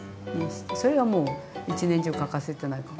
それはもう一年中欠かせてないかも。